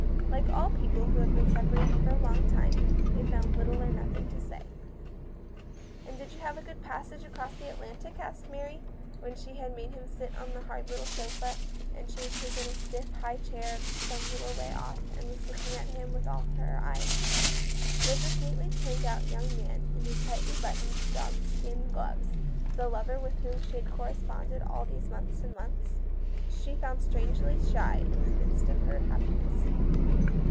Like all people who have been separated for a long time, they found little or nothing to say. 160 THE MAN RETURNS. 161 " And did you have a good passage across the Atlantic," asked Mary, when she had made him sit on the hard little sofa, and she had taken a stiff, high chair some little way off, and was looking at him with all her eyes. Was this neatly turned out young man, with his tightly buttoned dog skin gloves, the lover with whom she had corresponded all these months and months? She felt strangely shy in the midst of her happiness.